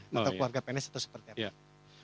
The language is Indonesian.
atau keluarga pns atau seperti apa